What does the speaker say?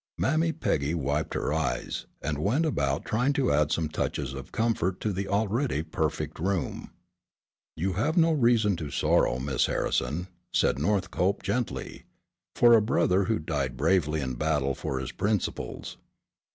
Mammy Peggy wiped her eyes, and went about trying to add some touches of comfort to the already perfect room. "You have no reason to sorrow, Miss Harrison," said Northcope gently, "for a brother who died bravely in battle for his principles.